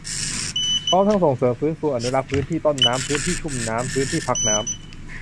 พร้อมทั้งส่งเสริม ฟื้นฟู อนุรักษ์ พื้นที่ต้นน้ำ พื้นที่ชุ่มน้ำ พื้นที่พักน้ำ